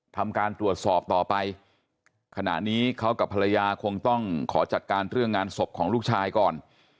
ทำการตรวจสอบต่อไปขณะนี้เขากับภรรยาคงต้องขอจัดการเรื่องงานศพของลูกชายก่อน